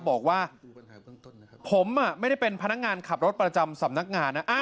บอกว่าผมไม่ได้เป็นพนักงานขับรถประจำสำนักงานนะ